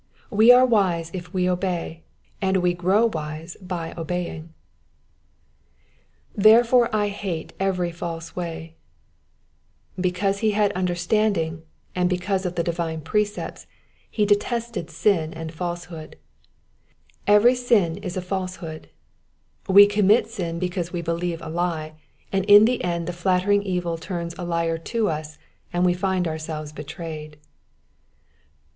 We are wise if we obey and we grow wise by obeying I ^'^Ther^ore I Tiate every false toay,'*^ Because he had understanding, and because of the divine precepts, he detested sin and falsehood. Every sin is a falsehood ; we commit sin because we believe a lie, and in the end the flattering evil turns a liar to us and we find ourselves betrayed.